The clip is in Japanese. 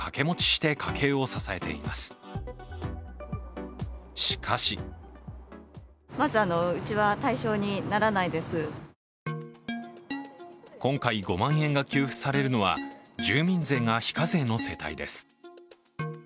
しかし今回５万円が給付されるのは住民税が非課税の世帯です。